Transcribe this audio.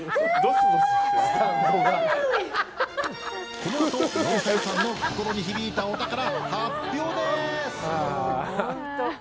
このあと、野呂さんの心に響いた、お宝発表です。